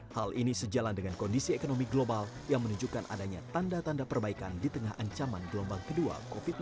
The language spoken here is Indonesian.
hal ini sejalan dengan kondisi ekonomi global yang menunjukkan adanya tanda tanda perbaikan di tengah ancaman gelombang kedua covid sembilan belas